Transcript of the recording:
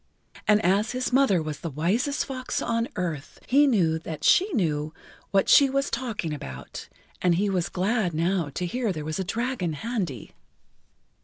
And as his mother was the wisest fox on earth, he knew that she knew what[Pg 18] she was talking about, and he was glad now to hear there was a dragon handy.